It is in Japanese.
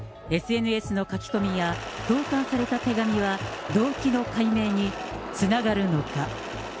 ＳＮＳの書き込みや投かんされた手紙は、動機の解明につながるのか。